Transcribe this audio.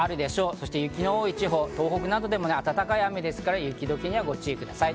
そして雪の多い地方、東北などでも暖かい雨ですから、雪解けにご注意ください。